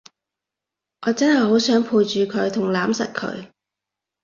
我真係好想陪住佢同攬實佢